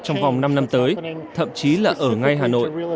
trong vòng năm năm tới thậm chí là ở ngay hà nội